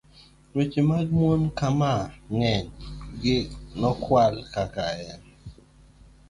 weche mag mon ka, ma ng'eny gi nokwal kaka en